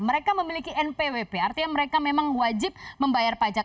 mereka memiliki npwp artinya mereka memang wajib membayar pajak